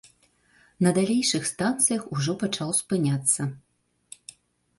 На далейшых станцыях ужо пачаў спыняцца.